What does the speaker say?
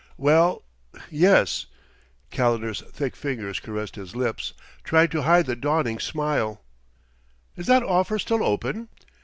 "Well yes." Calendar's thick fingers caressed his lips, trying to hide the dawning smile. "Is that offer still open?"